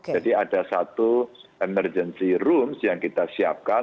jadi ada satu emergency room yang kita siapkan